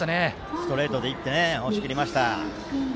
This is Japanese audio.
ストレートでいって押し切りました。